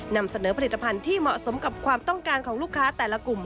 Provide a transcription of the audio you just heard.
นำเสนอผลิตภัณฑ์ที่เหมาะสมกับความต้องการของลูกค้าแต่ละกลุ่ม